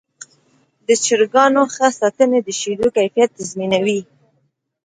د چرګانو ښه ساتنه د شیدو کیفیت تضمینوي.